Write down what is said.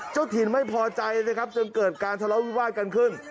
เจ้าถิ่นไม่พอใจนะครับจนเกิดการทะเลาวิวาสกันขึ้น